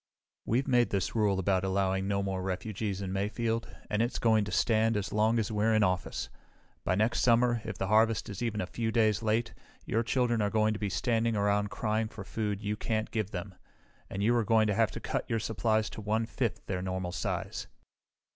"We've made this rule about allowing no more refugees in Mayfield and it's going to stand as long as we're in office. By next summer, if the harvest is even a few days late, your children are going to be standing around crying for food you can't give them, and you are going to have to cut your supplies to one fifth their normal size.